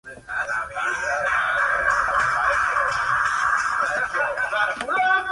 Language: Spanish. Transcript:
Su signo es la espada.